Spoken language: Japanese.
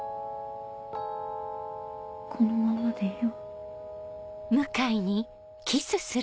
このままでいよ？